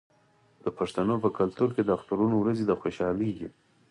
د پښتنو په کلتور کې د اخترونو ورځې د خوشحالۍ دي.